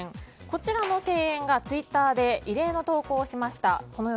こちらの庭園がツイッターで異例の投稿をしました。